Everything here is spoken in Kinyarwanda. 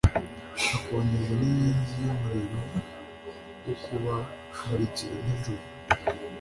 akongeza n'inkingi y'umuriro wo kubamurikira nijoro